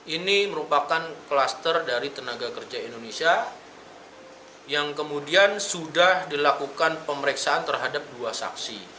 ini merupakan kluster dari tenaga kerja indonesia yang kemudian sudah dilakukan pemeriksaan terhadap dua saksi